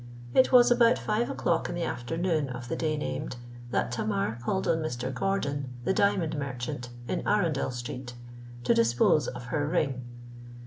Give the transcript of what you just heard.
It was about five o'clock in the afternoon of the day named, that Tamar called on Mr. Gordon, the diamond merchant in Arundel Street, to dispose of her ring.